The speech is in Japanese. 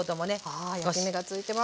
はい焼き目がついてます。